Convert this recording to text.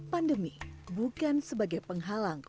pandemi bukan sebagai penghalang